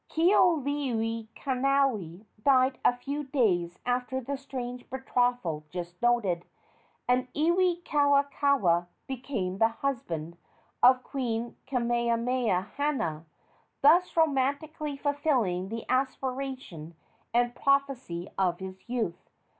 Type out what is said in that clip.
Kealiiokalani died a few days after the strange betrothal just noted, and Iwikauikaua became the husband of Queen Keakamahana, thus romantically fulfilling the aspiration and prophecy of his youth.